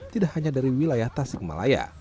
tidak hanya dari wilayah tasik kemalaya